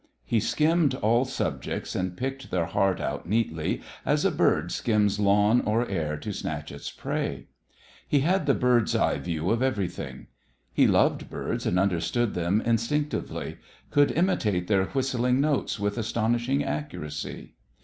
He skimmed all subjects and picked their heart out neatly, as a bird skims lawn or air to snatch its prey. He had the bird's eye view of everything. He loved birds and understood them instinctively; could imitate their whistling notes with astonishing accuracy.